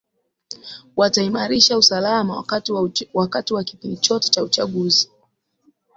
wataimarisha usalama wakati wa kipindi chote cha uchaguzi